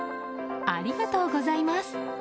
ありがとうございます。